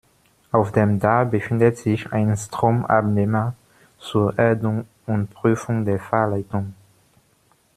Auf dem Dach befindet sich ein Stromabnehmer zur Erdung und Prüfung der Fahrleitung.